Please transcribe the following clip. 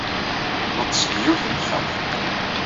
Neḍḍes deg yiwet n texxamt.